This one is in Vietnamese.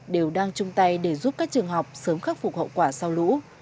đều đang chung tay để giúp các trường học sớm khắc phục hậu quả sau lũ